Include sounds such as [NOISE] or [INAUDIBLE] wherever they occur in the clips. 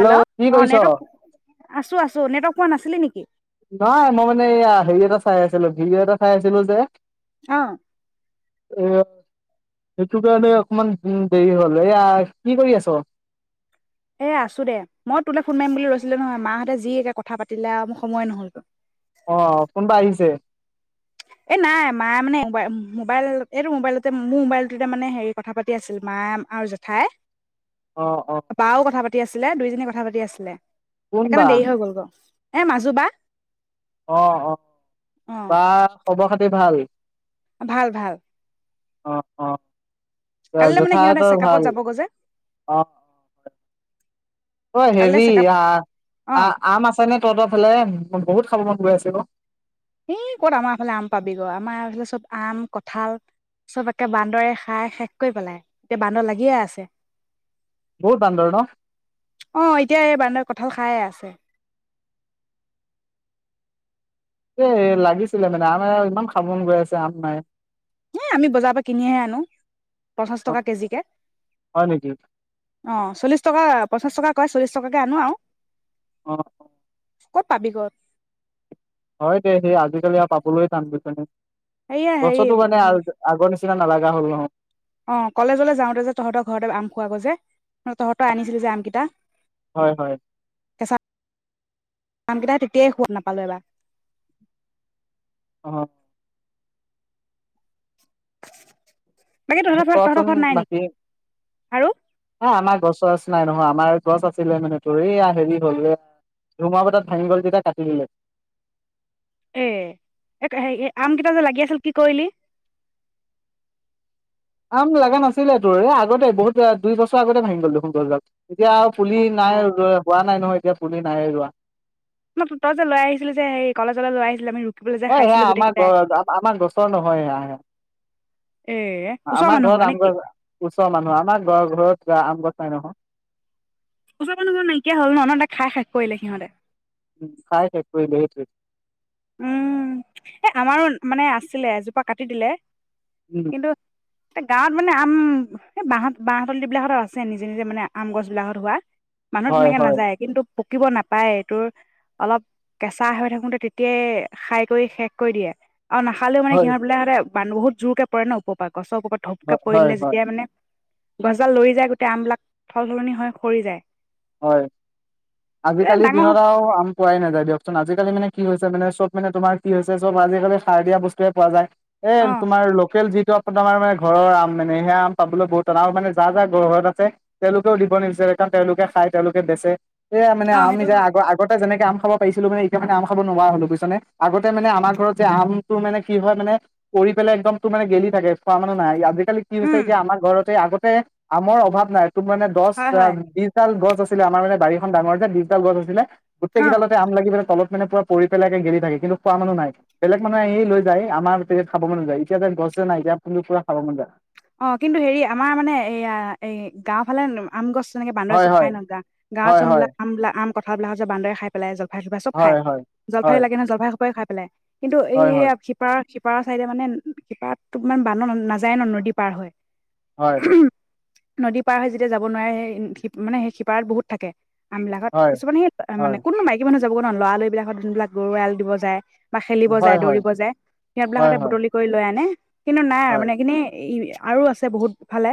Hello কি অ কৰিছ? নেটৱৰ্ক আছো আছো নেটৱৰ্ক পোৱা নাছিলি নেকি [INAUDIBLE] নাই মই মানে এইয়া হেৰি এটা চাই আছিলো, ভিডিঅ এটা চাই আছিলো যে। অঁ এ সেইটো কাৰণে অকমান দেৰি হ'ল, এয়া কি কৰি আছ? এ আছো দে, মই তোলে ফোন মাৰিম বুলি লৈছিলো নহয়, মাহঁতে যি একে কথা পাতিলে আৰু মোৰ সময়ে নহ'লে। অঁ কোনবা আহিছে। এ নাই মায়ে মানে মবাই মোবাইল এইটো মোবাইলতে মোৰ মোবাইলটোতে মানে হেৰি কথা পাতি আছিল মা আৰু জেঠাই। অ অ বাও কথা পা পাতি আছিলে, দুইজনী কথা পাতি আছিলে। সেইকাৰণে কোনবা দেৰি হৈ গ'ল গ'। এ মাজু বা। অঁ - অঁ। অ বা খবৰ খা তি ভাল। ভাল- ভাল। অঁ অঁ কালিলৈ মানে সিহঁতে জেঠাইহতৰ চেকআপত ভাল। যাবগৈ যে অঁ। অঁ কালিলৈ হেৰি চেকআপ অ আহ, আম আছে নে তহতৰ ফালে। বহুত খাব মন গৈ আছিল অঁ। সি ক'ত আমাৰফালে আম পাবি গৈ, আমাৰ এইফালে চব আম কঁঠাল চব একে বান্দৰে খাই শেষ কৰি পেলাই, এতিয়া বান্দৰ লাগিয়ে আছে। বহুত বান্দৰ ন অঁ, এতিয়া এই বান্দৰ কঁঠাল খায়ে আছে। এ লাগিছিলে মানে আমে ইমান খাবো মনগৈ আছে, আম নাই। এ আমি বজাৰৰ পৰা কিনিহে আনো, পঞ্চাশ অ টকা কেজিকে, হয় নেকি অঁ চল্লিশ টকা পঞ্চাশ টকা কই চল্লিশ টকাকে আনো আৰু। অঁ ক'ত পাবি গৈ। হয় দে সেই আজিকালি আৰু পাবলৈ টান বুইছনে। এইয়া হেৰি গছতো মানে আগৰ নিচিনা ইমান নালাগা হ'ল নহয়। অঁ কলেজলৈ যাওঁতে যে তহঁতৰ ঘৰতে আম খোৱ গৈ যে তহঁতৰ আনিছিলি যে আমকেইটা, হয় হয় কেঁচা আমকেইটাই তেতিয়াই সোৱাদ নাপালো এবাৰ। অঁ [INAUDIBLE] বাকী তহতৰ কচোন তহঁতৰঘৰত নাই বাকী নেকি, আৰু। চচ নাই নহয়, আমাৰ গছ আছিলে মানে তোৰ, এয়া হেৰি হ'ল ধুমূহা বতাহত ভাঙি গ'ল, যেতিয়া কাটি দিলে। এ এ হে আম কেইটা যে লাগি আছিল কি কৰিলি? আম লগা নাছিলে তোৰ, এই আগতে বহুত দুই বছৰ আগতে ভাঙি গ'ল দেখোন গছডাল। এতিয়া আৰু পুলি অ নাই ৰ', হোৱা নাই নহয় এতিয়া। পুলি নাই ৰোৱা ন তই যে লৈ আহিছিলি যে সেৰি কলেজলৈ লৈ আহিছিলে, আমি ৰুকিবলৈ যে অ' সেয়া খাইছিলো গোটেই আমাৰ কেইটাই ঘ আমাৰ গছৰ নহয় সেয়া স', এ ওচৰৰ আমাৰ মানুহ ঘৰ ঘৰত আম নেকি গছ, ওচৰৰ মানুহ আমাৰ ঘৰত যোৱা আম গছাই নহয়। ওচৰ মানুহ ঘৰ নাইকিয়া হ'ল, নহয়টা খাই খেশ কৰিলে সিহঁতে। উম খাই হেক কৰিলে হেতো'এ উম, এ' আমাৰো মানে আছিলে, এজোপা কাটি দিলে। উম [UNINTELLIGIBLE] কিন্তু এ গাঁৱত মানে আম, এই বাঁহত বাঁহতল বিলাকত আছে নিজে নিজে মানে আম গছ বিলাকত হোৱা মানুহ হয় তেনেকে হয় নাযায়ে কিন্তু পকিব নাপায়, এইটোৰ অলপ কেঁচা হৈ থাকোতে তে কে খাই কৰি শেষ কৰি দিয়ে। আৰু নাখালেও মে হয় সিহঁত সহতে বান বহুত জোৰকে পৰে ন উপপৰা গছৰ ওপৰত ধপকে হয় হয় পৰিলে, হয় যেতিয়া মানে গছডাল লৰি যায়, গোটেই আমবিলাক থল সলনি হৈ সৰি যায়। হয়, এ আজিকালি ডাঙৰ দিনত আৰু আম পোৱাই নাযায় দিয়কচোন, আজিকালি মানে কি হৈছে মানে চব মানে তোমাৰ কি হৈছে চব আজিকালি সাৰ দিয়া বস্তুৱয়ে পোৱা যায় এ' অ তোমাৰ লোকেল যিটো আমাৰ মানে ঘৰৰ আম মানে সেয়া আম পাবলৈ বহুত টান আৰু মানে যা যা ঘৰত আছে, তেওঁলোকেও দিব নিবিচাৰে, কাৰণ তেওঁলোকে খাই তেওঁলোকে বেছে সয়া মানে অ আম সেইটো নিজ আ' হয় আগতে যেনেকে আম খাব পাৰিছিলো মানে এতিয়া মানে আম খাব নোৱাৰা হল বুজছনে, আগতে মানে আমাৰ ঘৰত যে আমটো মানে কি হয় মানে, পৰি পেলাই একদম তোৰ মানে গেলি থাকে, খোৱা মানে নাই, আজি কালি কি হৈছে উম এতিয়া আমাৰ ঘৰতে আগত [UNINTELLIGIBLE] আমৰ অভাৱ নাই। তু মানে দছ হয় হয় বিশ গছ আছিল, আমাৰ মানে বাৰীখন ডাঙৰ যে, [UNINTELLIGIBLE] ডিজিট গছ আছিলে অ গোটেইকেইডালতে আম লাগি পেলাই তলত মানে পুৰা পৰি পেলাইে গেল থাকে কিন্তু খোৱা মানুহ নাই, বেলেক মানোহ আহি লৈ যায়, আমাৰ তেয়া খাব মনু যায়, এতি যে গছ যে নাই এতিয়া কিন্তু পুৰা খাব মন যায়। অঁ কিন্তু হেৰি আমাৰ মানে এয়া এই গাও ফালে আম গছ তেনেকে বান্দৰ হয় চব খাই হয় নগা, গাৱ হয় হয় চমবা আমলা আম কথাবিলা হৈছে বান্দৰে খাইেলাই, যাব জা [UNINTELLIGIBLE] চব খাই, হয় হয় জলাই হয় লাগে নহয়, জলফাই সবে খায় েল [UNINTELLIGIBLE] কিন্তু এই হয় শিপাৰ সিপাৰৰ চাইদে মানে সিপাৰ তোক মানে বান নাযায় ন নদী পাৰ হয় হয় নদী পাৰ হয় যেতিয়া যাব নোৱাৰে সেই মানে সেই সিপাৰত বহুত থাকে আমবিলাকত হয় কিছুমানে হয় মানে কোনো মাইকী মানুহ যাবগৈ নন লৰালৰি বিলাকত যোনবিলাক গৰু এৰাল দিব যায় বা খেলিব হয় হয় যায় হয় দৌৰিব যায় সিহঁতবলাক হয় সতে হয় বুটলি কৰি লৈ আনে কিন্তু নাই আৰু হয় মানে এইখিনি ই আৰু আছে বহুত ফালে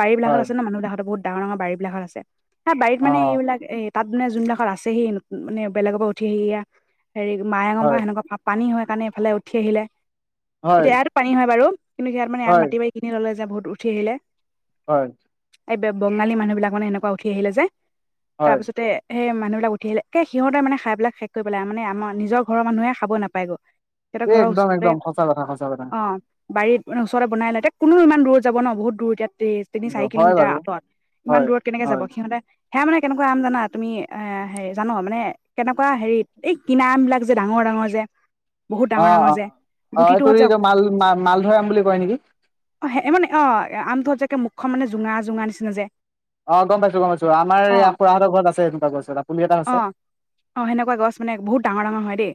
বাৰীবিলাকত হয় আছে ন মানুহদেহত বহত ডাঙৰ ডাঙৰ বাৰীবিলাকত আছে হা বাৰীত অ মান এইবিলাক এ তাত মানে যোনবিলাকত আছেহি মানে বেলেগৰ পৰা উঠি আহি এয়া হেৰি মায়েঙ বা হয় সেনেকুৱা পানী হয় সেইকাৰণে এইফালে উঠি আহিলে। হয় এতিয়া ইয়াতো পানী হয় বাৰু। কিন্তু ইয়াত মানে হয় মা কলেযে বহুত উঠি আহিলে হয়। এই বঙালী মানুহ বিলাক মানে সেনেকুৱা উঠি আহিলে যে। হয় তাৰপিছতে। সেই মানুহবিলাক উঠি আহিলে সিহঁতে মানে খাই পেলাই শেষ কৰি পেলাই মানে আমাৰ নিজৰ ঘৰৰ মানুহে খাব নাপায় গৈ এ একদম একদম সঁচা কথা সঁচা কথা। বাৰী ত মানে ওচতে বনাই লয়। এতি কোন নো ইমান দূৰ যাব ন বহু দূৰ এতিয়া। তিনি চাৰি হয় কিলোমিটাৰ বাৰু আঁতৰত ইমান হয় দূৰত কেনেকে হয় যাব সিহঁতে। সেয়া মানে কেনেকুৱা আম জানা তুমি এ হেৰি জান মানে কেনেকুৱা হেৰিত এই কিনা আম বিলাক যে ডাঙৰ ডাঙৰ যে। বহুত ডাঙৰ অ', ডাঙৰ যে অ', অ' গুটিটোহঁত যে এই ত মাল মালধৰাম বুলি কয় নেকি? অ' সে মানে অ' আমটোত যেকে মুখখন মানে জোঙা জোঙা নিচিনা যে। অ গম পাইছো গম পাইছো আমাৰ এইয়া অ', খুৰাহঁতৰ ঘৰত আছে এনেকুৱা গছ এটা পুলি এটা আছে অ' অহ সেনেকুৱা গছ মানে বহুত ডাঙৰ ডাঙৰ হয় দেই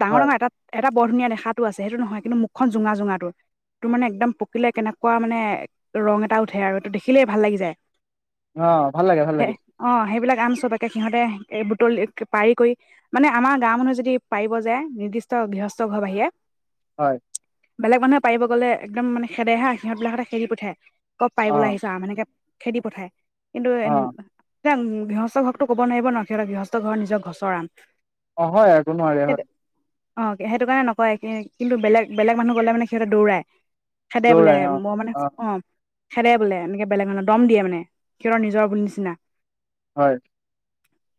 ডাঙৰ হয় ডাঙৰ এটা এটা বৰ ধুনীয়া দেখাটো আছে সেইটো নহয়। কিন্তু মুখখন জোঙা জোঙাটো তোৰ মানে একদম। পকিলে কেনেকুৱা মানে ৰং এটা উঠে আৰু এইটো দেখিলেই ভাল লাগি যায়। অ' ভাল লাগে ভাল লাগে। গাম চবকে সিহঁতে এ বুটলি পাৰি কৰি মানে আমাৰ গাও মানুহে যদি পাৰিব যায় নিৰ্দিষ্ট গৃহস্থ ঘৰ বাহিৰে। হয়। বেলেগ মানুহে পাৰিব গ'লে একদম মানে খেদে হা সিহঁতবিলাকে খেদি পঠীই কত অ পাৰিবলৈ আহিছা আম সেনেক খেদি পঠায়। কিন্তু এ অ গৃহস্থ ঘৰতটো ক'ব নোৱাৰিব ন সিহঁত গৃহস্থ ঘৰ নিজৰ গছৰ আম। অ' হয় একো নহয় দে সেইটো অ' সেইটো কাৰণে নকয় কিন্তু বেলেগ বেলেগ মানুহ গলে মানে সিহঁতে দৌৰাই। খেদে বোলে দৌৰাই হে অ মই মানে অ খেদে বোলে এনেকে বেলেগ মানহে দম দিয়ে মানে সিহঁতৰ নিজৰ বুলি নিচিনা। হয়।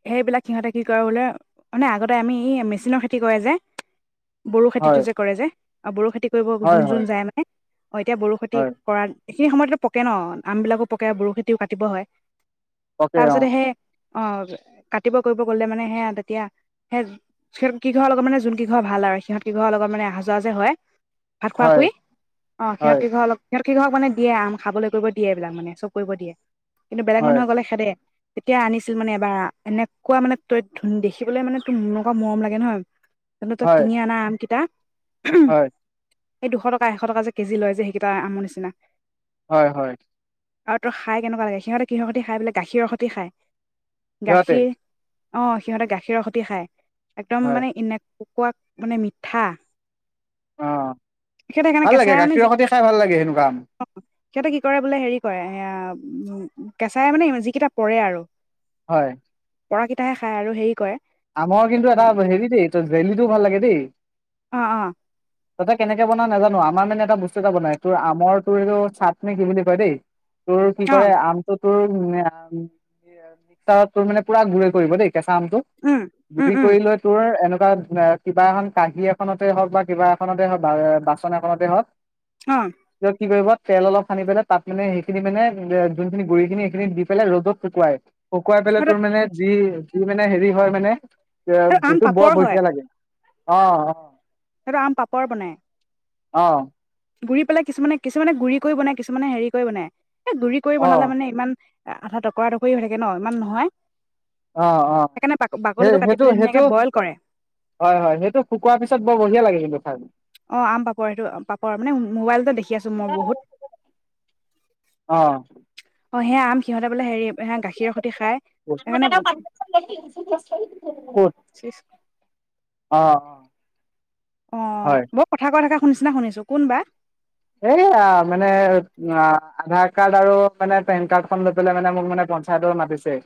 সেইবিলাক সিহঁতে কি কৰে বোলে মানে আগতে আমি ই মেচিনৰ খেতি কৰে যে বড়ো খেতিটো হয় যে কৰে যে আ বড়ো খ কৰিব হয় যোন যোন হয় যায় মানে অ এতিয়া বৰো খেতি হয় কৰাত এইখিনি সময়ো পকে ন আমবলাকো পকে বৰো খেতিও কাটিব হয়। পকে অ তাৰপিছত সে অ কাটিব কৰিব গলে মানে সেয়া তেতিয়া সে সিহঁত কিঘৰৰ লগত মানে যোন কি ঘৰ ভাল আৰু সিহঁত কি ঘৰ লগত মানে অহা যোৱা যে হয় ভাত হয় খোৱাকই অ সিহত হয় ঘৰ অলপ সিহঁত কেই ঘৰক মানে দিয়ে আম খাবলৈ কৰিব দিয়ে এইিলাক মানে চব কৰিব দিয়ে। কিন্তু বেলেগ হয় মানুহে গলে খেদে। তেতিয়া আনিছিল মানে এবাৰ এনেকুৱা মানে তই ধুন দেখিবলৈ মানে তোৰ এনেকুৱা মৰম লাগে নহয়। ত তো হয় কিনি আনা আম কেইটা হয়। এই দুশ টকা এশ টকা যে কেজি লয় যে সেইকেইটা আমৰ নিচিনা হয় হয়। আৰু তই খাই কেনেকুৱা লাগে সিহঁতে কিহৰ সৈ খাই বোলে গাখীৰৰ সৈতে খাই। সিহঁতে গাখীৰ অ সিহতে গাখীৰৰ সতি খায়। একদম হয় মানে ইনে কোৱা মানে মিঠা। সিহঁতে কেনে গে গাখীৰৰ সতে খাই ভাল লাগে এনেকুৱা সিহঁতে কি কৰে বোলে হেৰি কৰে সেইয়া কেঁচাই মানে যিকেইটা পৰে আৰু হয় পৰাকেইটাহে খায় আৰু হেৰি কৰে আমৰ কিন্তু এটা হেৰি দ জেলিটো ও ভাল লাগে দেই অ অ তহঁতে কেনেকে বনাও নাজানো আমাৰ মানে এটা বস্তু এটা বনাই তোৰ আমৰ তোৰ এইটো চাটনি কি বুলি কয় দেই তোৰ কি অ কৰে আমটো তোৰ মিক্সাৰত তোৰ মানে পুৰা গুুৰি কৰিব দেই কেছা আম টো উম উম গুৰি উম কৰি লৈ তোৰ এনেকুৱা কিবা এখন কাহী এখনতে হওক বা কিবা এখনতে হওক বা বাচন এখনতে হওক পিছত কি কৰিবি তেল অলপ সানি পেলাই তাত মানে সেইখিনি মানে যোনখিনি গুৰি খিনি সেইখিনি দি পেলাই ৰ'দত শুকুৱাই শুকুৱাই পেলাই অ তোৰ মানে যি যিমানে হেৰি হয় মানে আৰু আম সেটো বৰ পাপৰ বঢ়িয়া লাগে অ অ সেইটো আম পাপৰ বনাই অ গুৰি পেলাই কিছুমানে কিছুমানে গুৰি কৰি বনাই কিছুমানে হেৰি কৰি বনায় এ গুৰি কৰি বনালে অ মানে ইমান আঠা টকৰা টকৰি হৈ থাকে ন ইমান নহয় অ অ সেইকাৰণে সেই বাকলিটো কাটি সেইটো পেলাই সেইটো ধুনীয়াকে বইল কৰে হয় হয় সেইটো শুকোৱাৰ পিছত বৰ বঢ়িয়া লাগে কিন্তু খাই অ আম পাপৰ সেইটো পাপৰ মানে মোবাইলতে দেখি আছো মই বহুত সেয়া আম সিহঁতে অ বোলে হেৰি গাখীৰৰ সৈতে খাই সেইকাৰণে ক'ত আহ অ অ হয় বৰ কথা কৈ থাকা তোৰ নিছিনা শুনিছো কোনবা এই আ মানে আধাৰ কাৰ্ড আৰু মানে পেন কাৰ্ডখন লৈ পেলাই মানে মোক মানে পঞ্চায়েতত মাতিছে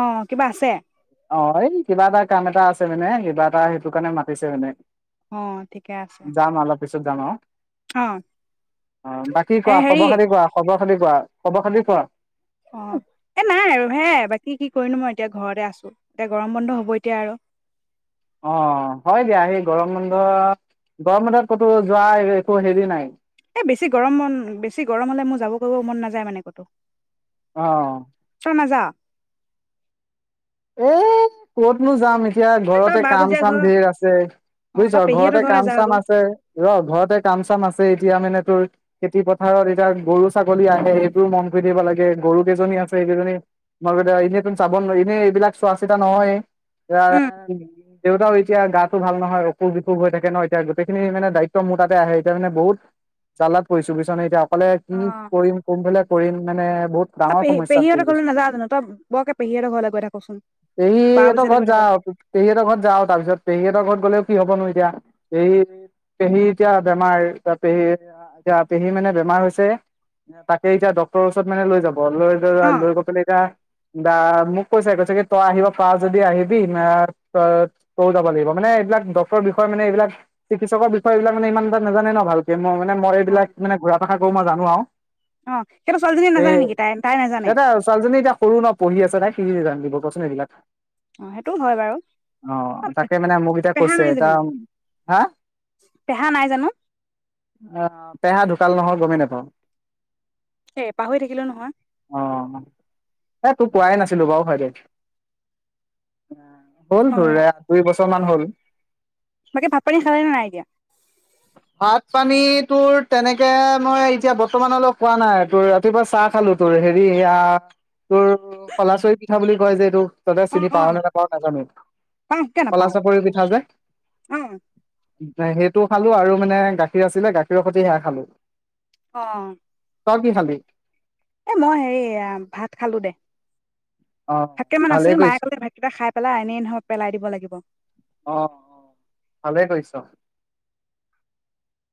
অ কিবা আছে অ', এই কিবা এটা কাম এটা আছে মানে কিবা এটা সেইটো কাৰণে মাতিছে মানে অ ঠিকে আছে যাম অলপ পিছত যাম অ'। অ অ' বাকী এ কোৱা হেৰি খবৰ খতি কোৱা। খবৰ [UNINTELLIGIBLE] যায়। খবৰ খাতি কোৱা? অ', এ নাই আৰু হেয়াই বাকী কি কৰিনো মই এতিয়া ঘৰতে আছোঁ। এতিয়া গৰম বন্ধ হ'ব এতিয়া আৰু! অ', হয় দিয়া, সেই গৰম বন্ধ আৰু। গৰম বন্ধত ক'তো যোৱা এ-একো হেৰি নাই। এ বেছি গৰম বন, বেছি গৰম হ'লে মোৰ যাব, কৰিব মন নাযায় মানে ক'তো। অ'। [UNINTELLIGIBLE] এই কতনো যাম এত এতিয়া এ তই ঘৰতে বা বুজিয়া কাম-চাম ঘৰ ধেৰ আছে। অ বুজিছ! তই পেহীহঁতৰ ঘৰতে ঘৰলে যা কাম-চাম আকৌ আছে। ৰ! ঘৰতে কাম-চাম আছে, এতিয়া মানে খেতি পথাৰত এতিয়া গৰু ছাগলী আহে, সেইবোৰো মন কৰি থাকিব লাগে। গৰু কেইজনী আছে, সেই কেইজনী মন এনেটো চাব নোৱাৰি। এনেই বিলাক চোৱা চিতা নহয়ে। এতিয়া, উম দেউতাও এতিয়া গাটো ভাল নহয় অসুখ বিসোষ অসুখ হৈ থাকে ন এতিয়া গোটেইখিনি মানে দায়িত্ব মোৰ তাতে আহে, এতিয়া মানে বহুত জালাত পৰিছোঁ বুজিছনে এতিয়া। ফালে কি অ কৰিম, কোনফালে কৰিম মানে বহুত তই ডাঙৰ পেহী সমস্যাত পৰি পেহীহঁতৰ ঘৰলৈ গৈছোঁ। নাযাৱ জানো তই বৰকে পেহীহঁতৰ ঘৰলৈ গৈ থাকচোন বা পেহীহঁতৰ বুজিয়ালে ঘৰত গৈ থাক যাওঁ, পেহীহঁতৰ ঘৰত যাওঁ, তাৰ পিছত পেহীহঁতৰ ঘৰত গ'লেও কি হবনো এতিয়া পেহী পেহী এতিয়া বেমাৰ পেহী এতিয়া পেহী মানে বেমাৰ হৈছে, তাকে এতিয়া ডক্টৰৰ ওচৰত মানে লৈ যাম। বৰ লয় অ লয় গৈ পিনে এতিয়া। দামি কৈছ কৈছে কি তই আহিব পাৰ যদি আহিবি, ত, তই যাব লাগিব মানে এইবিলাক ডক্টৰৰ বিষয় মানে এইবিলাক চিকিৎসকৰ বিষয় এইবিলাক মানে ইমানটা নাজানে ন ভালকে। মই মানে মই অ এইবিলাক মানে মই জানো আৰু। অ' সেইটো ছোৱালীজনীয়ে এ নাজানে নেকি তাই-তাই নাজানে? সিহঁতে ছোৱালীজনী এতিয়া সৰু ন পঢ়ি আছে নে? কি [UNINTELLIGIBLE] কচোন এইবিলাক। অ সেইটোও হয় বাৰু আহ' তাকে মানে মোক এতিয়া পেহা কৈছে, নাই ‌ এতিয়া জানো হা পেহা নাই জানো আহ' পেহা ঢুকাল নহয় গমেই নাপাওঁ। এ' পাহৰি থাকিলো নহয়। অ এ' তোক কোৱাই না তেনেকুৱাও হয় দে। হল অ [UNINTELLIGIBLE] দুই বছৰ মান হ'ল। বাকী ভাত পানী খালে নে নাই এতিয়া ভাত পানীত তোৰ তেনেকে মই এতিয়া বৰ্তমানলৈ কোৱা নাই তোৰ ৰাতিপুৱা চাহ খালো তোৰ হেৰি এইয়া তোৰ কলাচৰি পিঠা বুলি কয় যে এইটো [UNINTELLIGIBLE] অ চিনি অ পাও নে নোপাও নাজানো। পাওঁ কিয় খলা নাপাওঁ চাপৰি পিঠা যে অ সেই টো খালো আৰু মানে গাখীৰ আছিলে গাখীৰৰ সৈতে হেয়া খালো। অ'। তই কি খালি? এ' মই হেৰি ভাত খালো দে। অ ভাত কেইটামান ভালে আছিল, মায়ে কৰিছ কলে ভাতকেইটা খাই পেলা আ এনেই ধৰ পেলাই দিব লাগিব। অহ ভালেই কৰিছ।